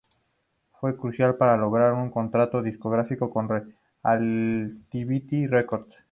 Fue crucial para lograr un contrato discográfico con Relativity Records.